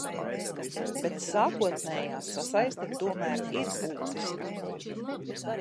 Bet sākotnējā sasaiste tomēr ir būtiska.